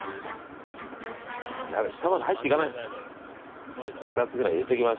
やばい下まで入っていかない。